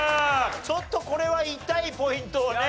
ちょっとこれは痛いポイントをね。